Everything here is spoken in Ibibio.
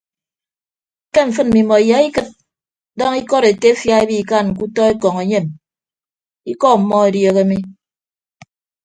Ke mfịn mmimọ iyaikịd daña ikọd etefia ebikan ke utọ ekọñ enyem ikọ ọmmọ edieehe mi.